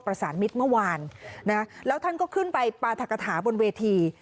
สารมิตรเมื่อวานนะแล้วท่านก็ขึ้นไปปราธกฐาบนเวที